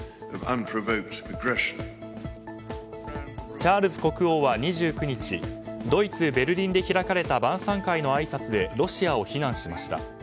チャールズ国王は２９日ドイツ・ベルリンで開かれた晩さん会のあいさつでロシアを非難しました。